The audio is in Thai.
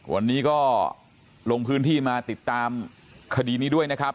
วันนี้ก็ลงพื้นที่มาติดตามคดีนี้ด้วยนะครับ